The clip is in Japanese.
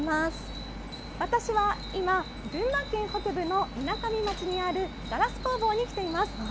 私は今、群馬県北部のみなかみ町にあるガラス工房に来ています。